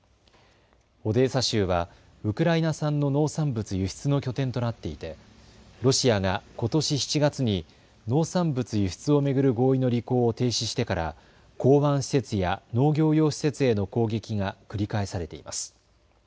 オデーサ州はウクライナ産の農産物輸出の拠点となっていてロシアがことし７月に農産物輸出を巡る合意の履行を停止してから港湾施設や農業用施設への攻撃が繰り返されています。